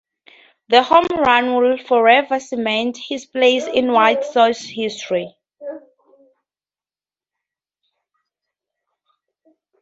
The home run would forever cement his place in White Sox history.